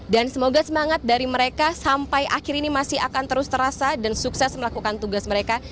semoga semangat dari mereka sampai akhir ini masih akan terus terasa dan sukses melakukan tugas mereka